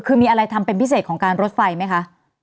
คือมีอะไรทำเป็นพิเศษของการรถไฟไหมคะ